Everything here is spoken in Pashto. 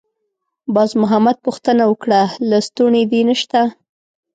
باز محمد پوښتنه وکړه: «لستوڼی دې نشته؟»